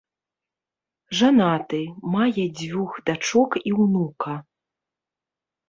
Жанаты, мае дзвюх дачок і ўнука.